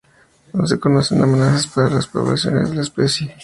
No se conocen amenazas para las poblaciones de la especie.